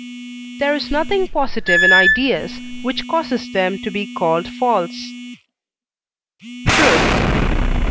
There is nothing positive in ideas, which causes them to be called false. Proof.